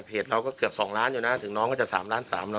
เขาก็เกือบ๒ล้านอยู่นะถึงน้องก็จะ๓ล้าน๓๐๐